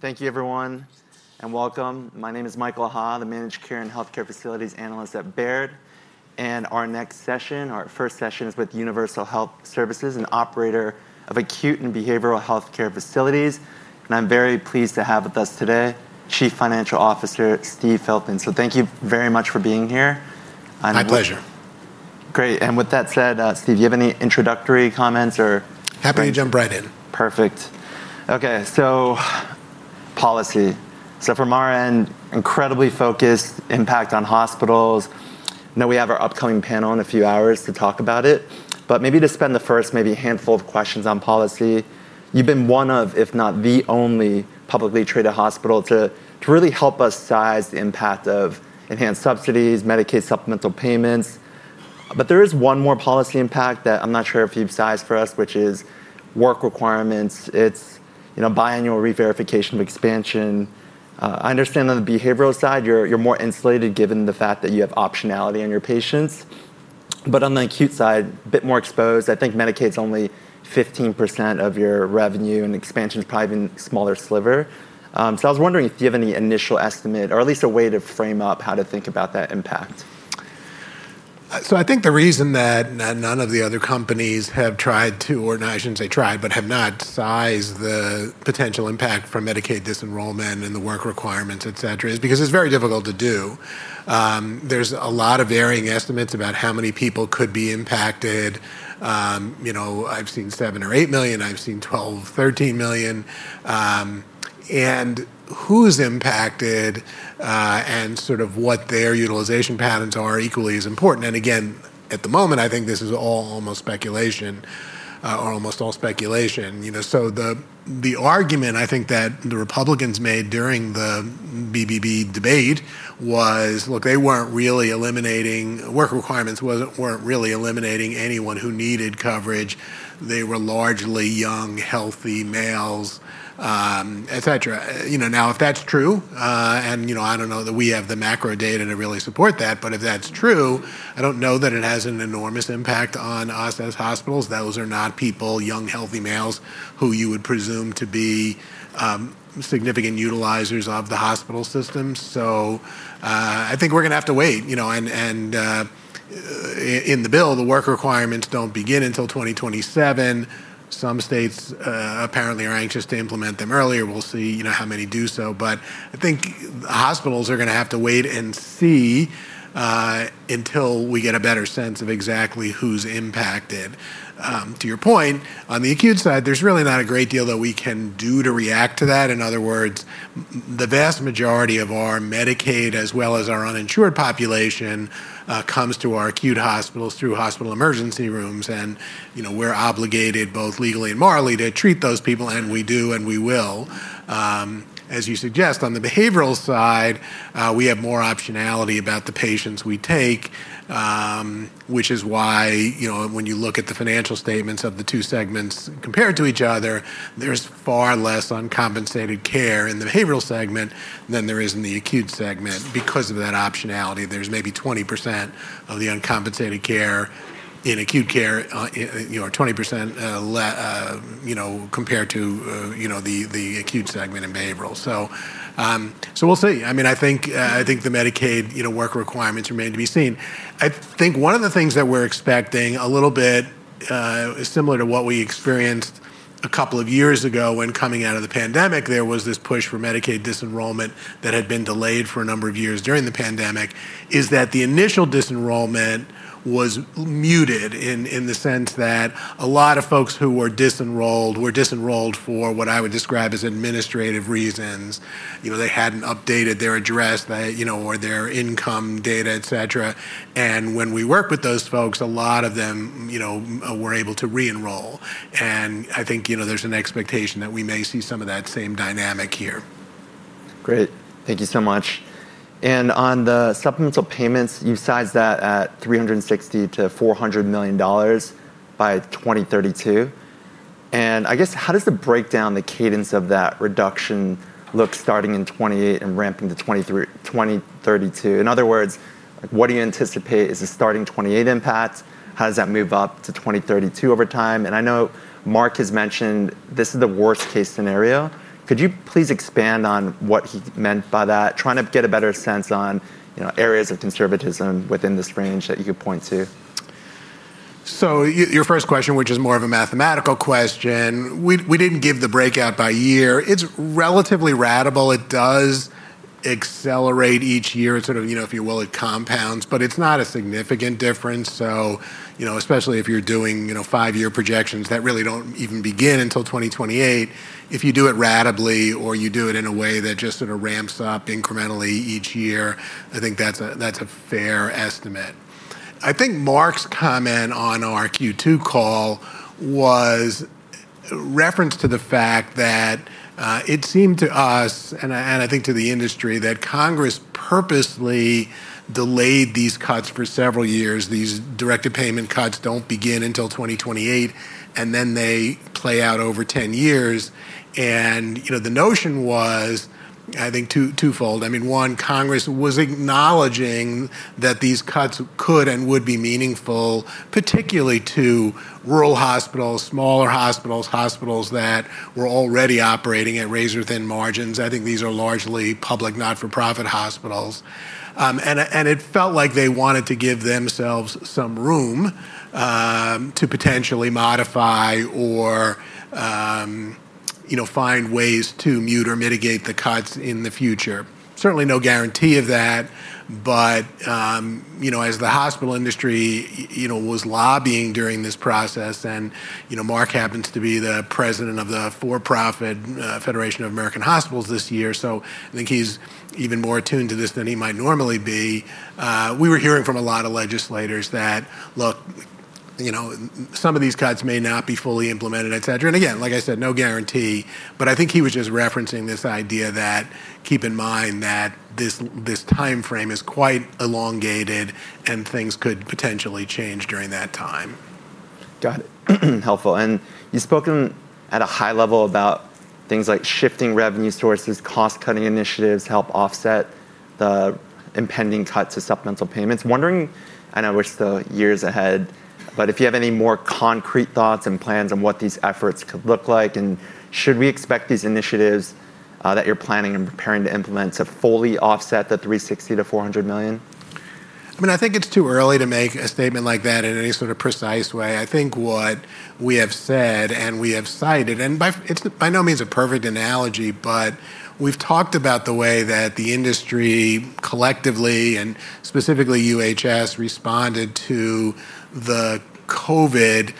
Thank you, everyone, and welcome. My name is Michael Ha, the Managed Care and Healthcare Facilities Analyst at Baird. Our next session, our first session, is with Universal Health Services, an operator of acute care hospitals and behavioral health facilities. I'm very pleased to have with us today Chief Financial Officer Steve Filton. Thank you very much for being here. My pleasure. Great. With that said, Steve, do you have any introductory comments or... Happy to jump right in. Perfect. OK, policy. From our end, incredibly focused impact on hospitals. I know we have our upcoming panel in a few hours to talk about it. Maybe to spend the first handful of questions on policy, you've been one of, if not the only, publicly traded hospital to really help us size the impact of enhanced subsidies, Medicaid supplemental payments. There is one more policy impact that I'm not sure if you've sized for us, which is work requirements. It's biannual re-verification of expansion. I understand on the behavioral side, you're more insulated given the fact that you have optionality on your patients. On the acute side, a bit more exposed. I think Medicaid's only 15% of your revenue, and expansion is probably even a smaller sliver. I was wondering if you have any initial estimate or at least a way to frame up how to think about that impact. I think the reason that none of the other companies have tried to, or I shouldn't say tried, but have not sized the potential impact from Medicaid disenrollment and the work requirements, et cetera, is because it's very difficult to do. There's a lot of varying estimates about how many people could be impacted. I've seen 7 or 8 million. I've seen 12, 13 million. Who's impacted and sort of what their utilization patterns are is equally as important. At the moment, I think this is almost all speculation. The argument I think that the Republicans made during the BBB debate was, look, they weren't really eliminating work requirements, weren't really eliminating anyone who needed coverage. They were largely young, healthy males, et cetera. If that's true, and I don't know that we have the macro data to really support that, but if that's true, I don't know that it has an enormous impact on us as hospitals. Those are not people, young, healthy males, who you would presume to be significant utilizers of the hospital system. I think we're going to have to wait. In the bill, the work requirements don't begin until 2027. Some states apparently are anxious to implement them earlier. We'll see how many do so. I think hospitals are going to have to wait and see until we get a better sense of exactly who's impacted. To your point, on the acute side, there's really not a great deal that we can do to react to that. In other words, the vast majority of our Medicaid, as well as our uninsured population, comes to our acute hospitals through hospital emergency rooms. We're obligated both legally and morally to treat those people. We do, and we will. As you suggest, on the behavioral side, we have more optionality about the patients we take, which is why when you look at the financial statements of the two segments compared to each other, there's far less uncompensated care in the behavioral segment than there is in the acute segment because of that optionality. There's maybe 20% of the uncompensated care in acute care, or 20% compared to the acute segment in behavioral. We'll see. I think the Medicaid work requirements remain to be seen. I think one of the things that we're expecting a little bit is similar to what we experienced a couple of years ago when coming out of the pandemic. There was this push for Medicaid disenrollment that had been delayed for a number of years during the pandemic. The initial disenrollment was muted in the sense that a lot of folks who were disenrolled were disenrolled for what I would describe as administrative reasons. They hadn't updated their address or their income data, et cetera. When we worked with those folks, a lot of them were able to re-enroll. I think there's an expectation that we may see some of that same dynamic here. Great. Thank you so much. On the supplemental payments, you've sized that at $360 to $400 million by 2032. How does the breakdown, the cadence of that reduction look starting in 2028 and ramping to 2032? In other words, what do you anticipate is a starting 2028 impact? How does that move up to 2032 over time? I know Marc has mentioned this is the worst-case scenario. Could you please expand on what he meant by that, trying to get a better sense on areas of conservatism within this range that you could point to? Your first question, which is more of a mathematical question, we didn't give the breakout by year. It's relatively ratable. It does accelerate each year. It sort of, if you will, compounds. It's not a significant difference. Especially if you're doing five-year projections that really don't even begin until 2028, if you do it ratably or you do it in a way that just sort of ramps up incrementally each year, I think that's a fair estimate. I think Marc's comment on our Q2 call was a reference to the fact that it seemed to us, and I think to the industry, that Congress purposely delayed these cuts for several years. These Directed Payment Programs cuts don't begin until 2028, and then they play out over 10 years. The notion was, I think, twofold. One, Congress was acknowledging that these cuts could and would be meaningful, particularly to rural hospitals, smaller hospitals, hospitals that were already operating at razor-thin margins. I think these are largely public, not-for-profit hospitals. It felt like they wanted to give themselves some room to potentially modify or find ways to mute or mitigate the cuts in the future. Certainly no guarantee of that. As the hospital industry was lobbying during this process, and Marc happens to be the President of the for-profit Federation of American Hospitals this year, I think he's even more attuned to this than he might normally be. We were hearing from a lot of legislators that, look, some of these cuts may not be fully implemented, et cetera. Like I said, no guarantee. I think he was just referencing this idea that keep in mind that this time frame is quite elongated and things could potentially change during that time. Got it. Helpful. You've spoken at a high level about things like shifting revenue sources, cost-cutting initiatives to help offset the impending cuts to supplemental payments. I wonder, I wish the years ahead, but if you have any more concrete thoughts and plans on what these efforts could look like. Should we expect these initiatives that you're planning and preparing to implement to fully offset the $360 to $400 million? I mean, I think it's too early to make a statement like that in any sort of precise way. I think what we have said and we have cited, and by no means a perfect analogy, but we've talked about the way that the industry collectively, and specifically Universal Health Services, responded to the COVID,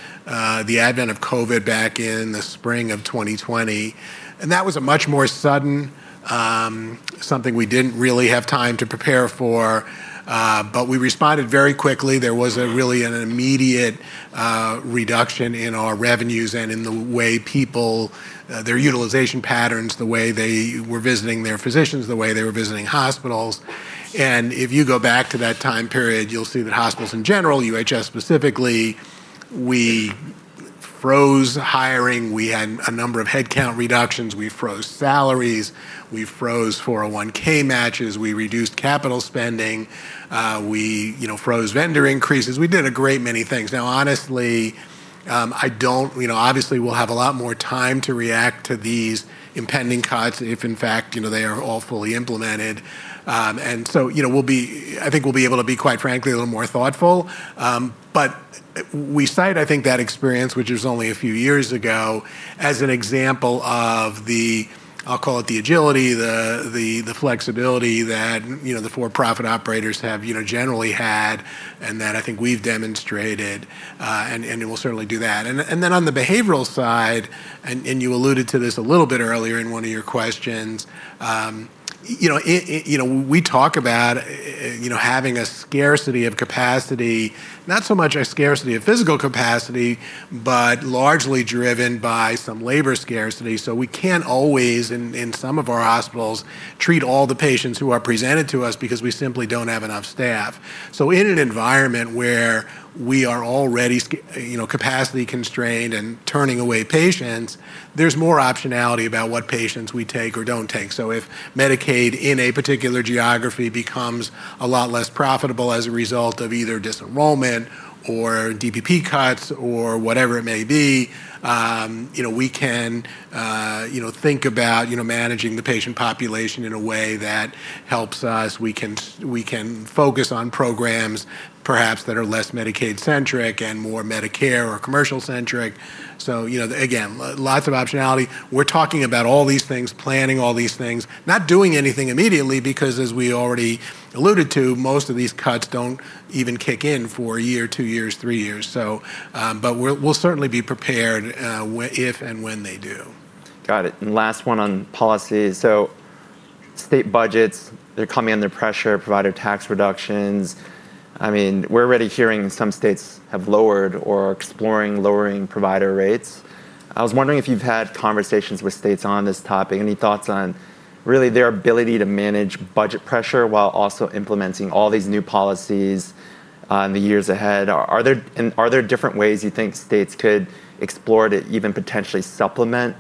the advent of COVID back in the spring of 2020. That was a much more sudden something we didn't really have time to prepare for. We responded very quickly. There was really an immediate reduction in our revenues and in the way people, their utilization patterns, the way they were visiting their physicians, the way they were visiting hospitals. If you go back to that time period, you'll see that hospitals in general, Universal Health Services specifically, we froze hiring. We had a number of headcount reductions. We froze salaries. We froze 401(k) matches. We reduced capital spending. We froze vendor increases. We did a great many things. Honestly, I don't, obviously, we'll have a lot more time to react to these impending cuts if, in fact, they are all fully implemented. I think we'll be able to be, quite frankly, a little more thoughtful. We cite, I think, that experience, which was only a few years ago, as an example of the, I'll call it the agility, the flexibility that the for-profit operators have generally had and that I think we've demonstrated. We'll certainly do that. On the behavioral side, and you alluded to this a little bit earlier in one of your questions, we talk about having a scarcity of capacity, not so much a scarcity of physical capacity, but largely driven by some labor scarcity. We can't always, in some of our hospitals, treat all the patients who are presented to us because we simply don't have enough staff. In an environment where we are already capacity-constrained and turning away patients, there's more optionality about what patients we take or don't take. If Medicaid in a particular geography becomes a lot less profitable as a result of either disenrollment or Directed Payment Programs cuts or whatever it may be, we can think about managing the patient population in a way that helps us. We can focus on programs, perhaps, that are less Medicaid-centric and more Medicare or commercial-centric. Again, lots of optionality. We're talking about all these things, planning all these things, not doing anything immediately because, as we already alluded to, most of these cuts don't even kick in for a year, two years, three years. We'll certainly be prepared if and when they do. Got it. Last one on policy. State budgets are coming under pressure, provider tax reductions. We're already hearing some states have lowered or are exploring lowering provider rates. I was wondering if you've had conversations with states on this topic. Any thoughts on really their ability to manage budget pressure while also implementing all these new policies in the years ahead? Are there different ways you think states could explore to even potentially supplement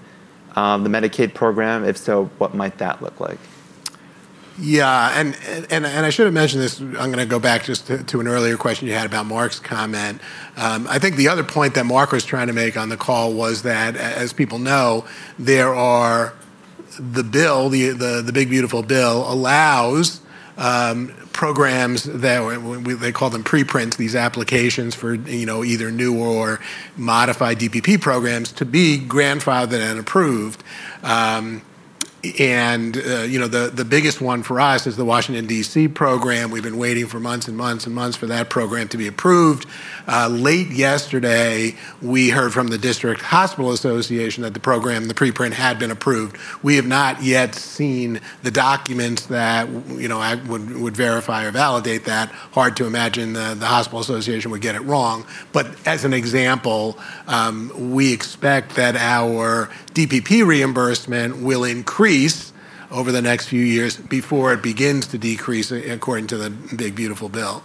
the Medicaid program? If so, what might that look like? Yeah. I should have mentioned this. I'm going to go back just to an earlier question you had about Marc's comment. I think the other point that Marc was trying to make on the call was that, as people know, the bill, the big, beautiful bill, allows programs that, they call them preprints, these applications for either new or modified Directed Payment Programs, to be grandfathered and approved. The biggest one for us is the Washington, DC program. We've been waiting for months and months and months for that program to be approved. Late yesterday, we heard from the District Hospital Association that the program, the preprint, had been approved. We have not yet seen the documents that would verify or validate that. It is hard to imagine the Hospital Association would get it wrong. For example, we expect that our Directed Payment Programs reimbursement will increase over the next few years before it begins to decrease, according to the big, beautiful bill.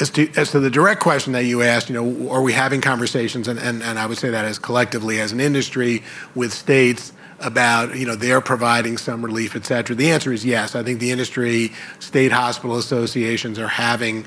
As to the direct question that you asked, are we having conversations, I would say that as collectively as an industry, with states about their providing some relief, et cetera, the answer is yes. I think the industry, state hospital associations are having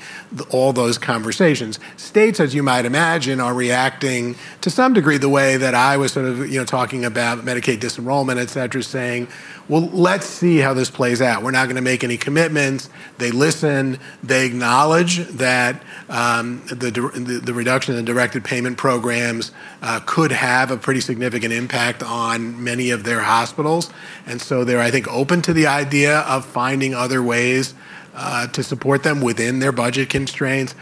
all those conversations. States, as you might imagine, are reacting to some degree the way that I was sort of talking about Medicaid disenrollment, et cetera, saying, let's see how this plays out. We're not going to make any commitments. They listen. They acknowledge that the reduction in the Directed Payment Programs could have a pretty significant impact on many of their hospitals. They are, I think, open to the idea of finding other ways to support them within their budget constraints.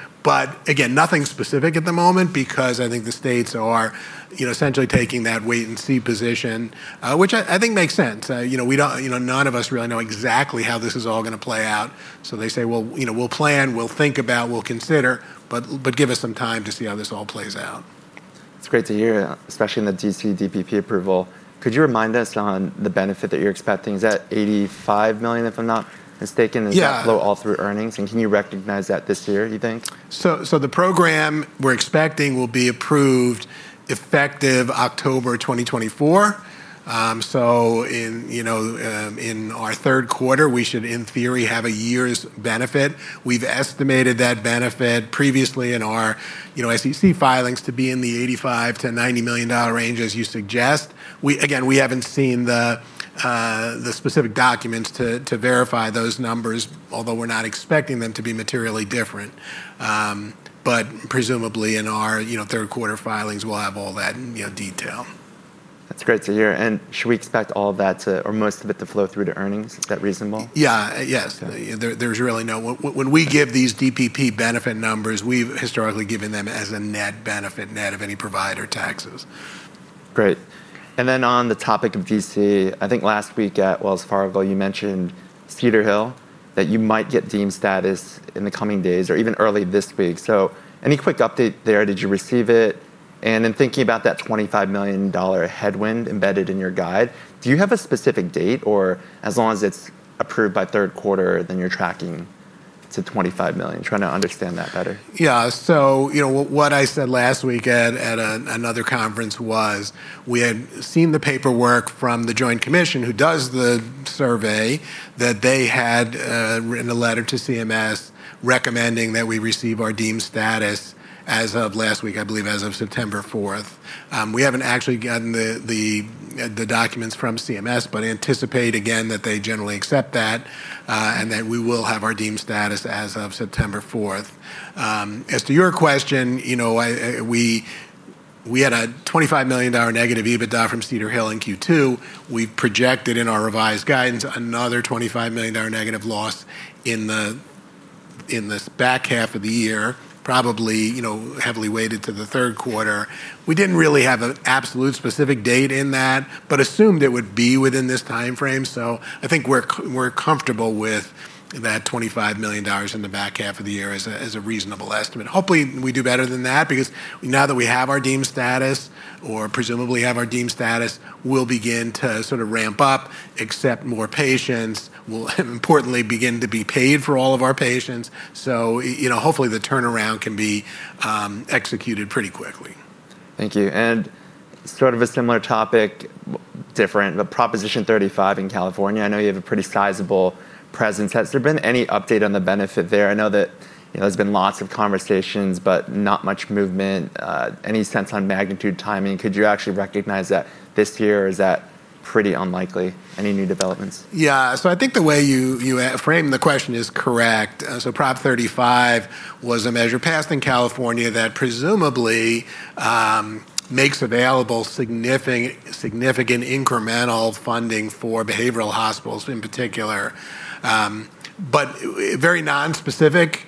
Again, nothing specific at the moment because I think the states are essentially taking that wait-and-see position, which I think makes sense. None of us really know exactly how this is all going to play out. They say, we'll plan, we'll think about, we'll consider, but give us some time to see how this all plays out. It's great to hear that, especially in the DC DPP approval. Could you remind us on the benefit that you're expecting? Is that $85 million, if I'm not mistaken? Yeah. Is that low all-through earnings, and can you recognize that this year, you think? The program we're expecting will be approved effective October 2024. In our third quarter, we should, in theory, have a year's benefit. We've estimated that benefit previously in our SEC filings to be in the $85 to $90 million range, as you suggest. Again, we haven't seen the specific documents to verify those numbers, although we're not expecting them to be materially different. Presumably, in our third-quarter filings, we'll have all that in detail. That's great to hear. Should we expect all of that to, or most of it, to flow through to earnings? Is that reasonable? Yes, there's really no, when we give these DPP benefit numbers, we've historically given them as a net benefit, net of any provider taxes. Great. On the topic of Washington, DC, I think last week at Wells Fargo, you mentioned Cedar Hill that you might get deem status in the coming days or even early this week. Any quick update there? Did you receive it? In thinking about that $25 million headwind embedded in your guide, do you have a specific date, or as long as it's approved by third quarter, then you're tracking to $25 million? Trying to understand that better. Yeah. What I said last week at another conference was we had seen the paperwork from the Joint Commission, who does the survey, that they had written a letter to CMS recommending that we receive our deem status as of last week, I believe, as of September 4. We haven't actually gotten the documents from CMS, but anticipate, again, that they generally accept that and that we will have our deem status as of September 4. As to your question, we had a $25 million negative EBITDA from Cedar Hill in Q2. We projected in our revised guidance another $25 million negative loss in this back half of the year, probably heavily weighted to the third quarter. We didn't really have an absolute specific date in that, but assumed it would be within this time frame. I think we're comfortable with that $25 million in the back half of the year as a reasonable estimate. Hopefully, we do better than that because now that we have our deem status, or presumably have our deem status, we'll begin to sort of ramp up, accept more patients. We'll, importantly, begin to be paid for all of our patients. Hopefully, the turnaround can be executed pretty quickly. Thank you. On a similar topic, different, but Proposition 35 in California. I know you have a pretty sizable presence. Has there been any update on the benefit there? I know that there's been lots of conversations, but not much movement. Any sense on magnitude or timing? Could you actually recognize that this year, or is that pretty unlikely? Any new developments? Yeah. I think the way you framed the question is correct. Prop 35 was a measure passed in California that presumably makes available significant incremental funding for behavioral hospitals in particular, but very nonspecific.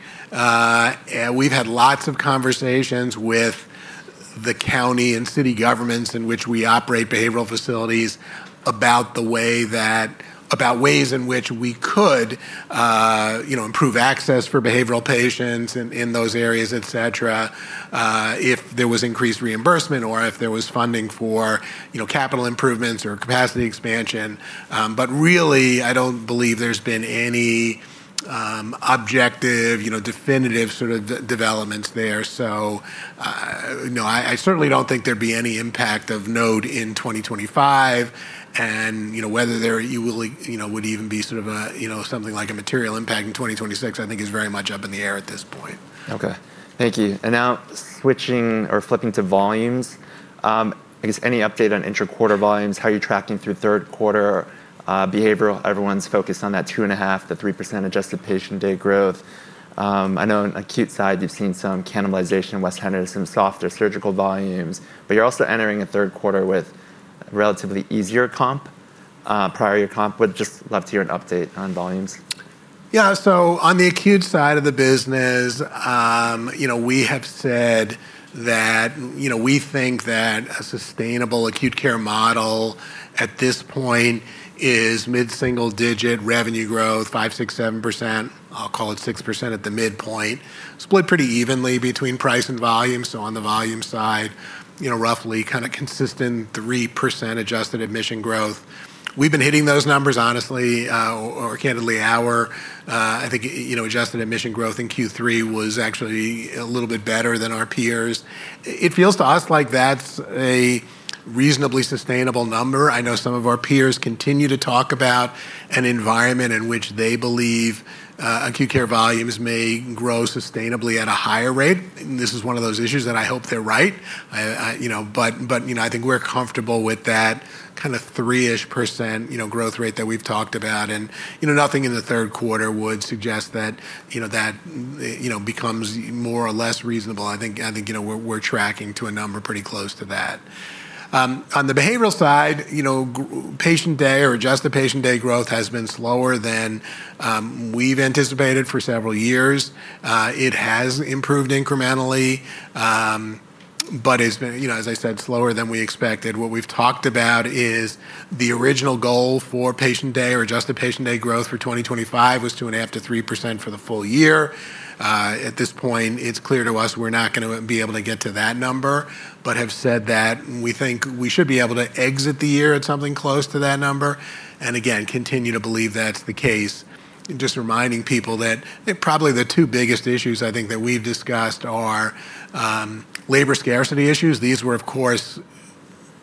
We've had lots of conversations with the county and city governments in which we operate behavioral facilities about ways in which we could improve access for behavioral patients in those areas, etc., if there was increased reimbursement or if there was funding for capital improvements or capacity expansion. I don't believe there's been any objective, definitive sort of developments there. I certainly don't think there'd be any impact of note in 2025, and whether there would even be something like a material impact in 2026, I think is very much up in the air at this point. OK. Thank you. Now switching or flipping to volumes, I guess any update on interquarter volumes? How are you tracking through third quarter? Everyone's focused on that 2.5%, the 3% adjusted patient day growth. I know on the acute side, you've seen some cannibalization in West Henderson, softer surgical volumes. You're also entering a third quarter with a relatively easier prior year comp. Would just love to hear an update on volumes. Yeah. On the acute side of the business, we have said that we think that a sustainable acute care model at this point is mid-single-digit revenue growth, 5%, 6%, 7%. I'll call it 6% at the midpoint, split pretty evenly between price and volume. On the volume side, roughly kind of consistent 3% adjusted admission growth. We've been hitting those numbers, honestly, or candidly, I think adjusted admission growth in Q3 was actually a little bit better than our peers. It feels to us like that's a reasonably sustainable number. I know some of our peers continue to talk about an environment in which they believe acute care volumes may grow sustainably at a higher rate. This is one of those issues that I hope they're right. I think we're comfortable with that kind of 3% growth rate that we've talked about. Nothing in the third quarter would suggest that that becomes more or less reasonable. I think we're tracking to a number pretty close to that. On the behavioral side, patient day or adjusted patient day growth has been slower than we've anticipated for several years. It has improved incrementally, but it's been, as I said, slower than we expected. What we've talked about is the original goal for patient day or adjusted patient day growth for 2025 was 2.5% to 3% for the full year. At this point, it's clear to us we're not going to be able to get to that number, but have said that we think we should be able to exit the year at something close to that number and, again, continue to believe that's the case. Just reminding people that probably the two biggest issues I think that we've discussed are labor scarcity issues. These were, of course,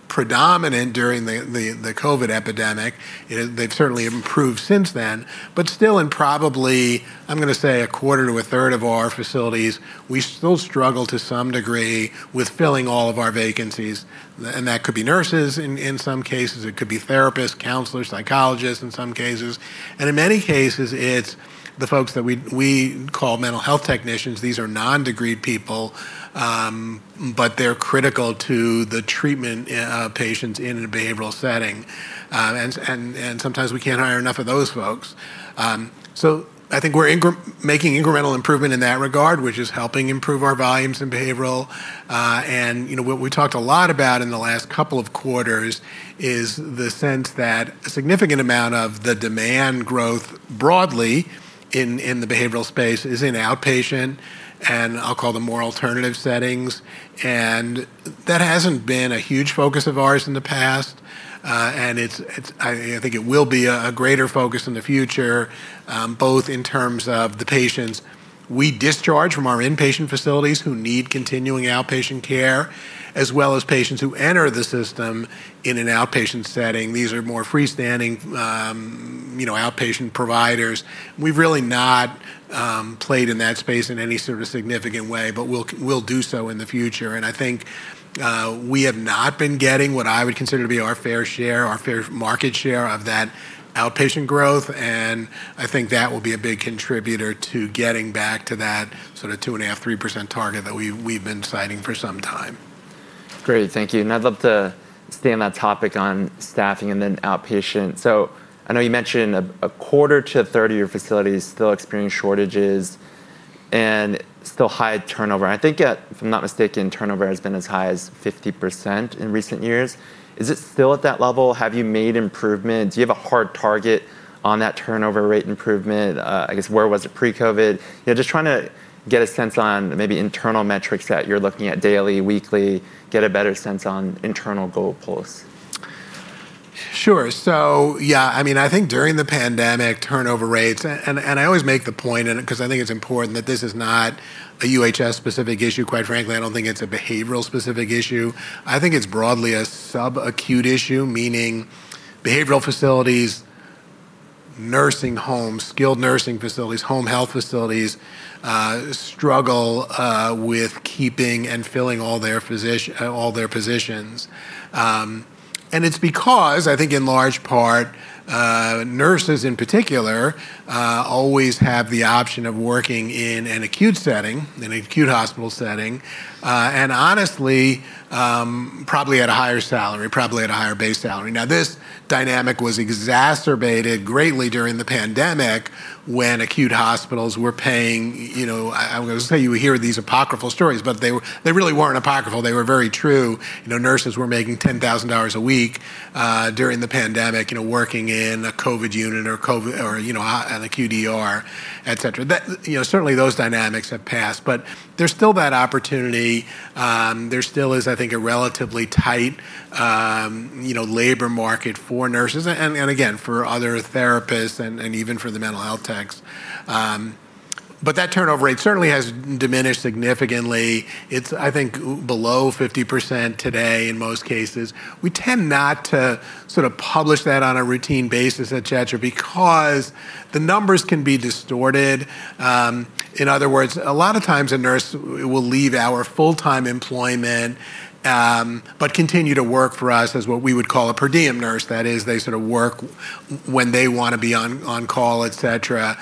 predominant during the COVID epidemic. They've certainly improved since then. Still, in probably, I'm going to say, a quarter to a third of our facilities, we still struggle to some degree with filling all of our vacancies. That could be nurses in some cases. It could be therapists, counselors, psychologists in some cases. In many cases, it's the folks that we call mental health technicians. These are non-degreed people, but they're critical to the treatment of patients in a behavioral setting. Sometimes we can't hire enough of those folks. I think we're making incremental improvement in that regard, which is helping improve our volumes in behavioral. What we talked a lot about in the last couple of quarters is the sense that a significant amount of the demand growth broadly in the behavioral space is in outpatient, and I'll call them more alternative settings. That hasn't been a huge focus of ours in the past. I think it will be a greater focus in the future, both in terms of the patients we discharge from our inpatient facilities who need continuing outpatient care, as well as patients who enter the system in an outpatient setting. These are more freestanding outpatient providers. We've really not played in that space in any sort of significant way, but we'll do so in the future. I think we have not been getting what I would consider to be our fair share, our fair market share of that outpatient growth. I think that will be a big contributor to getting back to that sort of 2.5%, 3% target that we've been citing for some time. Great. Thank you. I'd love to stay on that topic on staffing and then outpatient. I know you mentioned a quarter to a third of your facilities still experience shortages and still high turnover. I think, if I'm not mistaken, turnover has been as high as 50% in recent years. Is it still at that level? Have you made improvements? Do you have a hard target on that turnover rate improvement? Where was it pre-COVID? Just trying to get a sense on maybe internal metrics that you're looking at daily, weekly, get a better sense on internal goal pulse. Sure. I think during the pandemic, turnover rates, and I always make the point, because I think it's important that this is not a Universal Health Services-specific issue, quite frankly. I don't think it's a behavioral health-specific issue. I think it's broadly a sub-acute issue, meaning behavioral health facilities, nursing homes, skilled nursing facilities, home health facilities struggle with keeping and filling all their positions. It's because, I think, in large part, nurses in particular always have the option of working in an acute care setting, in an acute care hospital setting, and honestly, probably at a higher salary, probably at a higher base salary. This dynamic was exacerbated greatly during the pandemic when acute care hospitals were paying, I'm going to say you hear these apocryphal stories, but they really weren't apocryphal. They were very true. Nurses were making $10,000 a week during the pandemic, working in a COVID unit or an acute care, et cetera. Certainly, those dynamics have passed. There still is that opportunity. There still is, I think, a relatively tight labor market for nurses, and again, for other therapists and even for the mental health techs. That turnover rate certainly has diminished significantly. It's, I think, below 50% today in most cases. We tend not to sort of publish that on a routine basis, et cetera, because the numbers can be distorted. In other words, a lot of times, a nurse will leave our full-time employment but continue to work for us as what we would call a per diem nurse. That is, they sort of work when they want to be on call, et cetera.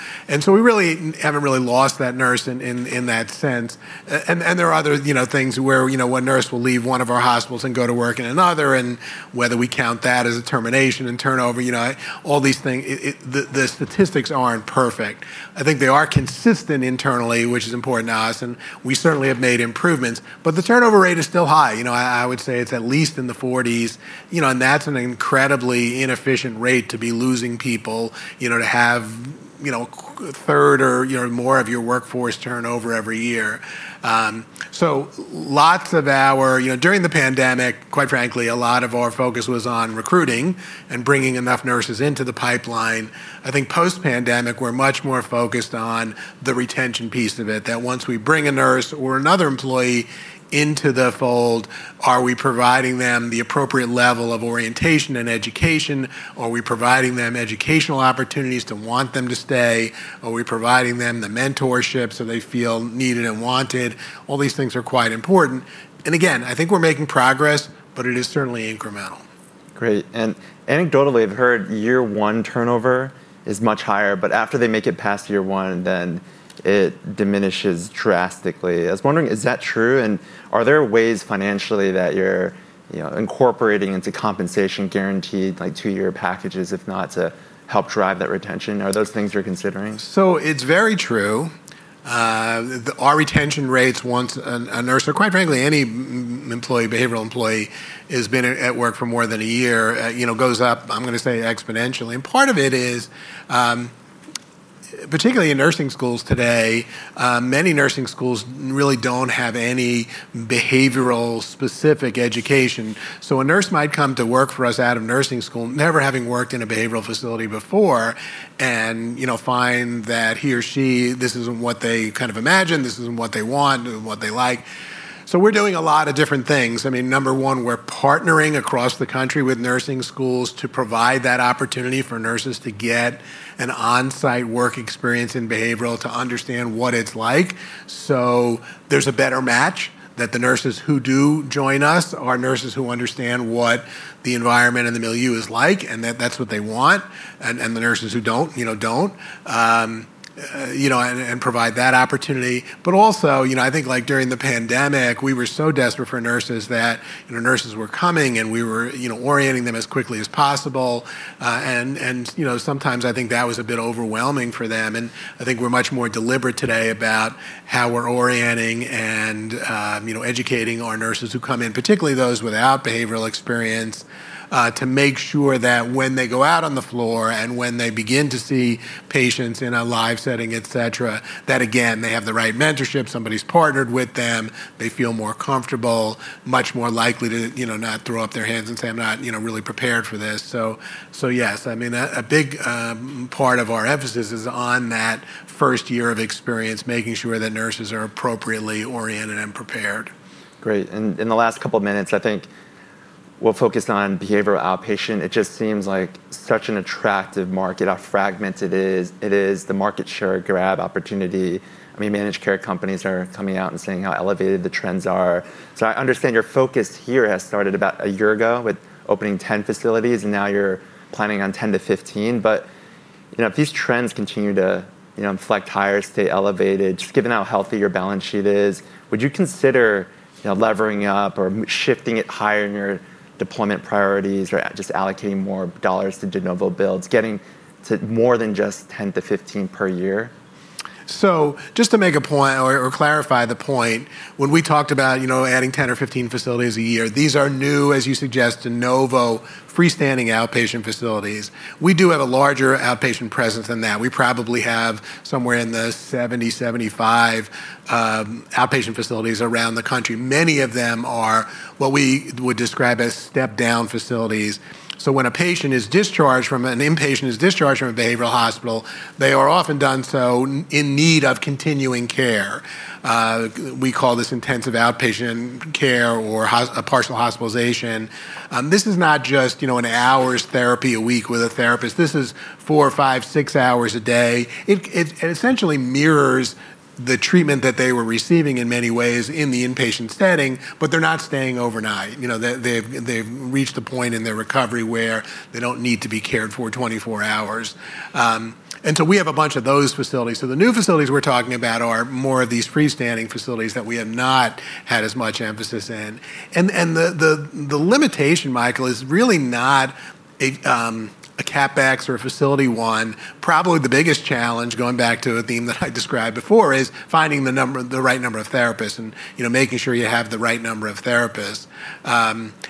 We really haven't really lost that nurse in that sense. There are other things where one nurse will leave one of our hospitals and go to work in another, and whether we count that as a termination and turnover, all these things, the statistics aren't perfect. I think they are consistent internally, which is important to us. We certainly have made improvements. The turnover rate is still high. I would say it's at least in the 40s. That's an incredibly inefficient rate to be losing people, to have a third or more of your workforce turnover every year. During the pandemic, quite frankly, a lot of our focus was on recruiting and bringing enough nurses into the pipeline. I think post-pandemic, we're much more focused on the retention piece of it, that once we bring a nurse or another employee into the fold, are we providing them the appropriate level of orientation and education? Are we providing them educational opportunities to want them to stay? Are we providing them the mentorship so they feel needed and wanted? All these things are quite important. I think we're making progress, but it is certainly incremental. Great. Anecdotally, I've heard year one turnover is much higher. After they make it past year one, it diminishes drastically. I was wondering, is that true? Are there ways financially that you're incorporating into compensation guarantee, like two-year packages, if not, to help drive that retention? Are those things you're considering? It is very true. Our retention rates, once a nurse, or quite frankly, any employee, behavioral employee, has been at work for more than a year, goes up, I'm going to say, exponentially. Part of it is, particularly in nursing schools today, many nursing schools really don't have any behavioral-specific education. A nurse might come to work for us out of nursing school, never having worked in a behavioral facility before, and find that he or she, this isn't what they kind of imagined, this isn't what they want, this isn't what they like. We're doing a lot of different things. Number one, we're partnering across the country with nursing schools to provide that opportunity for nurses to get an onsite work experience in behavioral, to understand what it's like. There's a better match that the nurses who do join us are nurses who understand what the environment and the milieu is like, and that that's what they want, and the nurses who don't, don't, and provide that opportunity. Also, I think, like during the pandemic, we were so desperate for nurses that nurses were coming, and we were orienting them as quickly as possible. Sometimes, I think that was a bit overwhelming for them. I think we're much more deliberate today about how we're orienting and educating our nurses who come in, particularly those without behavioral experience, to make sure that when they go out on the floor and when they begin to see patients in a live setting, et cetera, that, again, they have the right mentorship, somebody's partnered with them, they feel more comfortable, much more likely to not throw up their hands and say, I'm not really prepared for this. Yes, a big part of our emphasis is on that first year of experience, making sure that nurses are appropriately oriented and prepared. Great. In the last couple of minutes, I think we'll focus on behavioral outpatient. It just seems like such an attractive market, how fragmented it is. It is the market share grab opportunity. Managed care companies are coming out and saying how elevated the trends are. I understand your focus here has started about a year ago with opening 10 facilities, and now you're planning on 10 to 15. If these trends continue to inflect higher, stay elevated, just given how healthy your balance sheet is, would you consider levering up or shifting it higher in your deployment priorities, or just allocating more dollars to de novo builds, getting to more than just 10 to 15 per year? Just to make a point or clarify the point, when we talked about adding 10 or 15 facilities a year, these are new, as you suggest, de novo, freestanding outpatient facilities. We do have a larger outpatient presence than that. We probably have somewhere in the 70, 75 outpatient facilities around the country. Many of them are what we would describe as step-down facilities. When a patient is discharged from a behavioral hospital, they are often done so in need of continuing care. We call this intensive outpatient care or a partial hospitalization. This is not just an hour's therapy a week with a therapist. This is four, five, six hours a day. It essentially mirrors the treatment that they were receiving in many ways in the inpatient setting, but they're not staying overnight. They've reached a point in their recovery where they don't need to be cared for 24 hours. We have a bunch of those facilities. The new facilities we're talking about are more of these freestanding facilities that we have not had as much emphasis in. The limitation, Michael, is really not a CapEx or a facility one. Probably the biggest challenge, going back to a theme that I described before, is finding the right number of therapists and making sure you have the right number of therapists.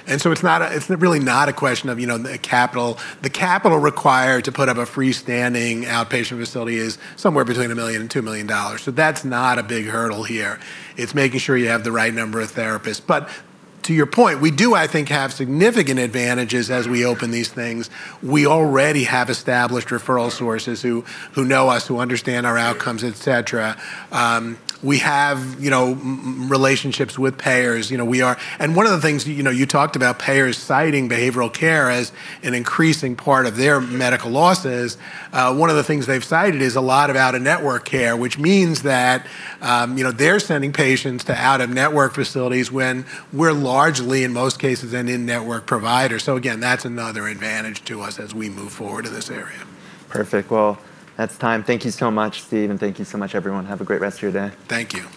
It's really not a question of the capital. The capital required to put up a freestanding outpatient facility is somewhere between $1 million and $2 million. That's not a big hurdle here. It's making sure you have the right number of therapists. To your point, we do, I think, have significant advantages as we open these things. We already have established referral sources who know us, who understand our outcomes, et cetera. We have relationships with payers. One of the things you talked about, payers citing behavioral care as an increasing part of their medical losses, one of the things they've cited is a lot of out-of-network care, which means that they're sending patients to out-of-network facilities when we're largely, in most cases, an in-network provider. That's another advantage to us as we move forward to this area. Perfect. That's time. Thank you so much, Steve. Thank you so much, everyone. Have a great rest of your day. Thank you.